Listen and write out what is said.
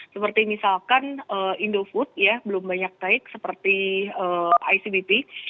seperti misalkan indofood ya belum banyak naik seperti icbp